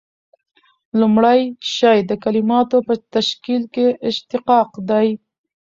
لومړی شی د کلیماتو په تشکیل کښي اشتقاق دئ.